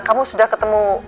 kamu sudah ketemu